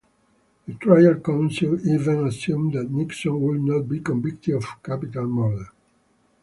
The trial counsel even assumed that Nixon would not be convicted of capital murder.